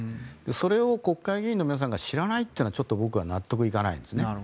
それを国会議員の皆さんが知らないというのは僕は納得いかないんですね。